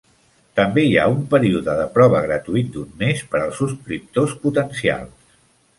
També hi ha un període de prova gratuït d'un mes per als subscriptors potencials.